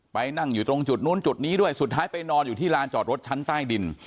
นั่งอยู่ตรงจุดนู้นจุดนี้ด้วยสุดท้ายไปนอนอยู่ที่ลานจอดรถชั้นใต้ดิน